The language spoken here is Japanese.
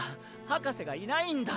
博士がいないんだ。